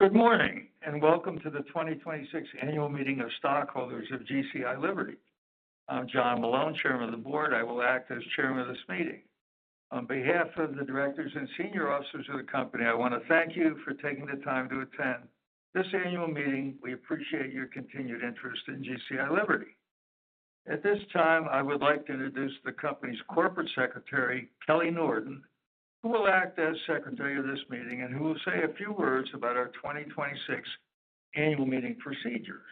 Good morning, and welcome to the 2026 annual meeting of stockholders of GCI Liberty. I'm John C. Malone, Chairman of the Board. I will act as chairman of this meeting. On behalf of the directors and senior officers of the company, I want to thank you for taking the time to attend this annual meeting. We appreciate your continued interest in GCI Liberty. At this time, I would like to introduce the company's Corporate Secretary, Kelly Norton, who will act as secretary of this meeting and who will say a few words about our 2026 annual meeting procedures.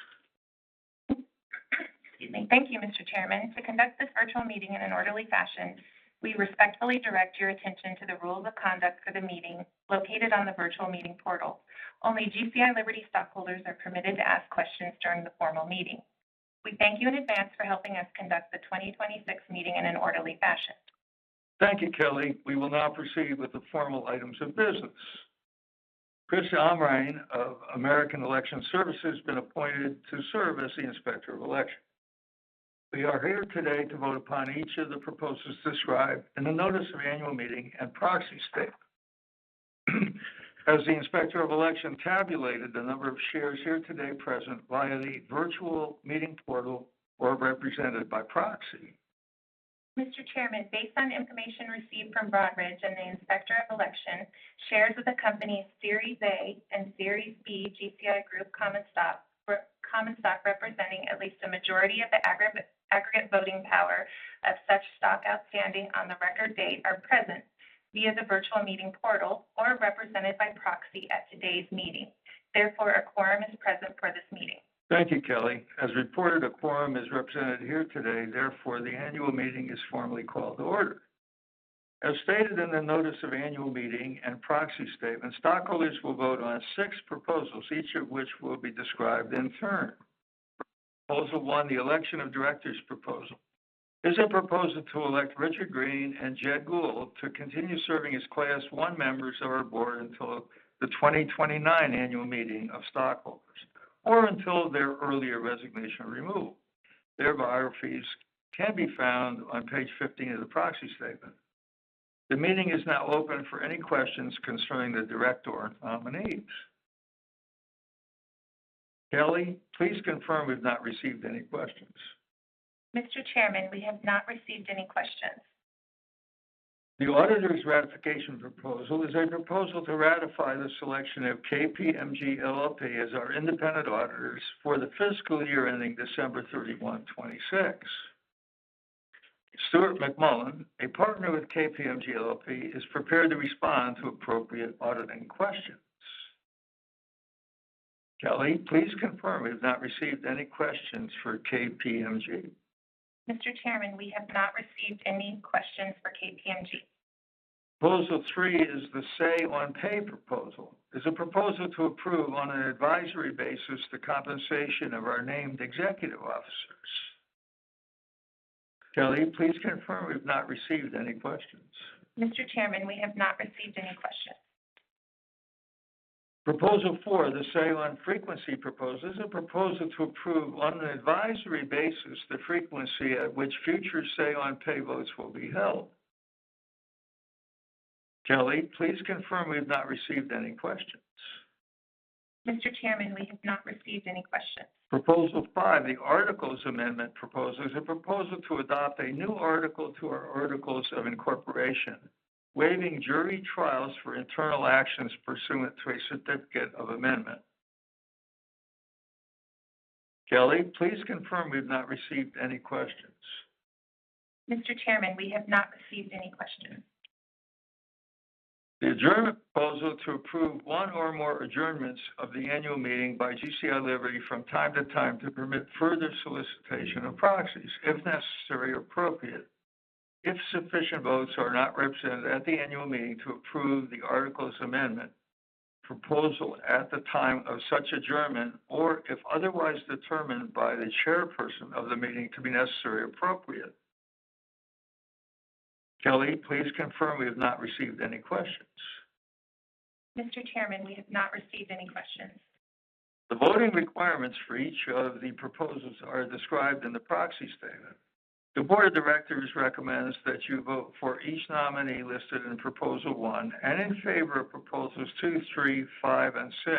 Excuse me. Thank you, Mr. Chairman. To conduct this virtual meeting in an orderly fashion, we respectfully direct your attention to the rules of conduct for the meeting located on the virtual meeting portal. Only GCI Liberty stockholders are permitted to ask questions during the formal meeting. We thank you in advance for helping us conduct the 2026 meeting in an orderly fashion. Thank you, Kelly. We will now proceed with the formal items of business. Christine Amrhein of American Election Services has been appointed to serve as the Inspector of Election. We are here today to vote upon each of the proposals described in the notice of annual meeting and proxy statement. Has the Inspector of Election tabulated the number of shares here today present via the virtual meeting portal or represented by proxy? Mr. Chairman, based on information received from Broadridge and the Inspector of Election, shares with the company's Series A and Series B GCI Group common stock, for common stock representing at least a majority of the aggregate voting power of such stock outstanding on the record date are present via the virtual meeting portal or represented by proxy at today's meeting. Therefore, a quorum is present for this meeting. Thank you, Kelly. As reported, a quorum is represented here today. The annual meeting is formally called to order. As stated in the notice of annual meeting and proxy statement, stockholders will vote on 6 proposals, each of which will be described in turn. Proposal 1, the election of directors proposal, is a proposal to elect Richard R. Green and Jedd Gould to continue serving as class 1 members of our board until the 2029 annual meeting of stockholders or until their earlier resignation or removal. Their biographies can be found on page 15 of the proxy statement. The meeting is now open for any questions concerning the director or nominees. Kelly, please confirm we've not received any questions. Mr. Chairman, we have not received any questions. The auditor's ratification proposal is a proposal to ratify the selection of KPMG LLP as our independent auditors for the fiscal year ending December 31, 2026. Stuart McMullen, a partner with KPMG LLP, is prepared to respond to appropriate auditing questions. Kelly, please confirm we have not received any questions for KPMG. Mr. Chairman, we have not received any questions for KPMG. Proposal 3 is the say-on-pay proposal, is a proposal to approve on an advisory basis the compensation of our named executive officers. Kelly, please confirm we've not received any questions. Mr. Chairman, we have not received any questions. Proposal 4, the say-on-frequency proposal, is a proposal to approve on an advisory basis the frequency at which future say-on-pay votes will be held. Kelly, please confirm we've not received any questions. Mr. Chairman, we have not received any questions. Proposal 5, the articles amendment proposal, is a proposal to adopt a new article to our articles of incorporation, waiving jury trials for internal actions pursuant to a certificate of amendment. Kelly, please confirm we've not received any questions. Mr. Chairman, we have not received any questions. The adjournment proposal to approve one or more adjournments of the annual meeting by GCI Liberty from time to time to permit further solicitation of proxies if necessary or appropriate, if sufficient votes are not represented at the annual meeting to approve the articles amendment proposal at the time of such adjournment or if otherwise determined by the chairperson of the meeting to be necessary or appropriate. Kelly, please confirm we have not received any questions. Mr. Chairman, we have not received any questions. The voting requirements for each of the proposals are described in the proxy statement. The board of directors recommends that you vote for each nominee listed in proposal 1 and in favor of proposals 2, 3, 5, and 6,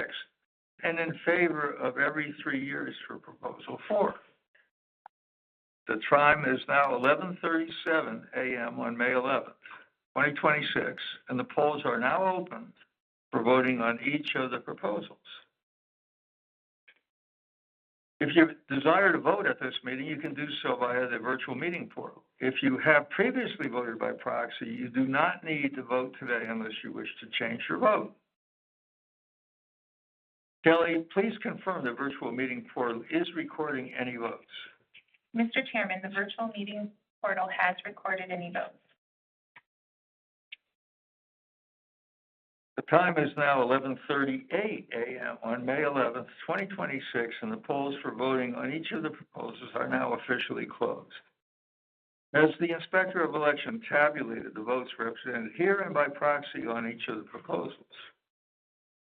and in favor of every 3 years for proposal 4. The time is now 11:37 A.M. on May 11th, 2026, and the polls are now open for voting on each of the proposals. If you desire to vote at this meeting, you can do so via the virtual meeting portal. If you have previously voted by proxy, you do not need to vote today unless you wish to change your vote. Kelly, please confirm the virtual meeting portal is recording any votes. Mr. Chairman, the virtual meeting portal has recorded any votes. The time is now 11:38 A.M. on May 11th, 2026, and the polls for voting on each of the proposals are now officially closed. Has the Inspector of Election tabulated the votes represented here and by proxy on each of the proposals?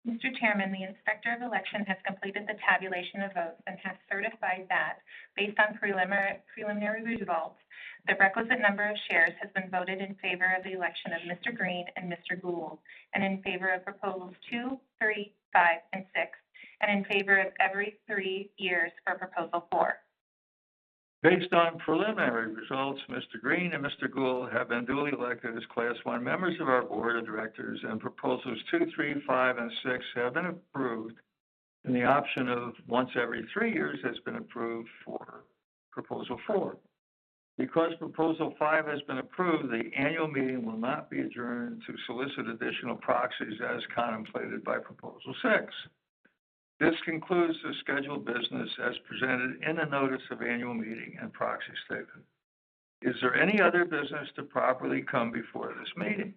Mr. Chairman, the Inspector of Election has completed the tabulation of votes and has certified that based on preliminary results, the requisite number of shares has been voted in favor of the election of Mr. Green and Mr. Gould and in favor of proposals two, three, five, and six, and in favor of every three years for proposal four. Based on preliminary results, Mr. Green and Mr. Gould have been duly elected as class 1 members of our board of directors, and proposals 2, 3, 5, and 6 have been approved, and the option of once every 3 years has been approved for proposal 4. Because proposal 5 has been approved, the annual meeting will not be adjourned to solicit additional proxies as contemplated by proposal 6. This concludes the scheduled business as presented in the notice of annual meeting and proxy statement. Is there any other business to properly come before this meeting?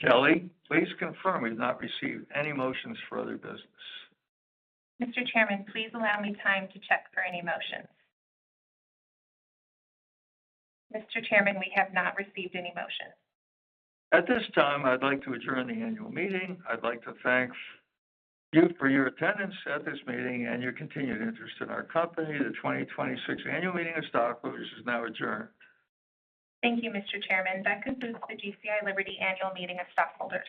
Kelly, please confirm we've not received any motions for other business. Mr. Chairman, please allow me time to check for any motions. Mr. Chairman, we have not received any motions. At this time, I'd like to adjourn the annual meeting. I'd like to thank you for your attendance at this meeting and your continued interest in our company. The 2026 annual meeting of stockholders is now adjourned. Thank you, Mr. Chairman. That concludes the GCI Liberty annual meeting of stockholders.